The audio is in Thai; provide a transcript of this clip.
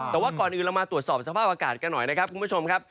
แต่ว่าก่อนอื่นเรามาตรวจสอบสภาพอากาศกันหน่อยนะครับคุณผู้ชมครับ